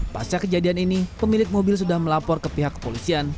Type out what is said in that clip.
pasca kejadian ini pemilik mobil sudah melapor ke pihak kepolisian